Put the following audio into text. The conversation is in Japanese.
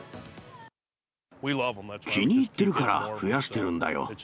気に入っているから増やしてるんだよ。